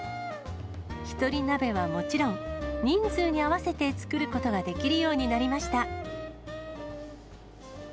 一人鍋はもちろん、人数に合わせて作ることができるようになりました。